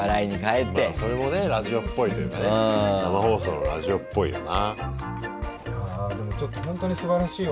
まあそれもねラジオっぽいというかね生放送のラジオっぽいよな。